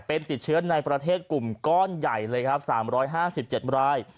เป็นติดเชื้อในประเทศกลุ่มก้อนใหญ่เลยครับ๓๕๗ราย